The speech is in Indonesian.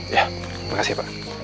ya makasih pak